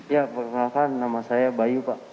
ya perkenalkan nama saya bayu pak